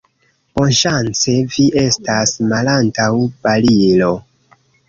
Bonŝance, vi estas malantaŭ barilo.